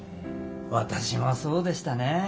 私もそうでしたね。